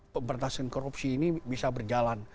pemberantasan korupsi ini bisa berjalan